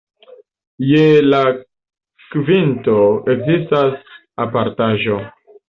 Je la kvinto ekzistas apartaĵo.